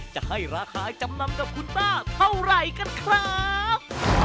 จะให้ราคาจำนำกับคุณป้าเท่าไหร่กันครับ